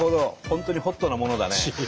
本当にホットなものだね。